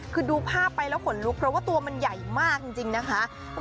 คือดูภาพไปแล้วขนลุกเพราะว่าตัวมันใหญ่มากจริงนะคะ